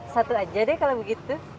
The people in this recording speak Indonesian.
satu aja deh kalau begitu